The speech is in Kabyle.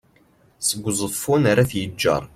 seg uẓeffun ar at yeğğer